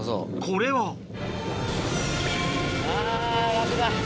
これはあぁ楽だ。